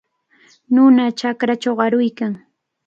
Nuna chakrachaw aruykan.